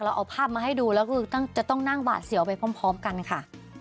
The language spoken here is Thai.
เอาภาพมาให้ดูแล้วก็จะต้องนั่งบาดเสียวไปพร้อมกันค่ะ